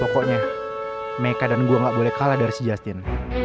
pokoknya meka dan gue gak boleh kalah dari si justin